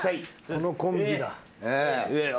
このコンビだ。